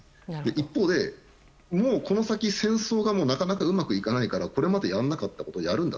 一方でこの先、戦争がなかなかうまくいかないからこれまでやらなかったことをやるんだ